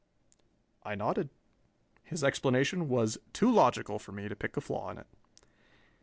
I nodded. His explanation was too logical for me to pick a flaw in it.